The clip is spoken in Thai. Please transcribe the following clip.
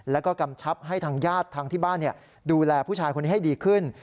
แล้วก็กำชับให้ทางญาติทางที่บ้านดูแลผู้ชายคนนี้ให้ดีขึ้น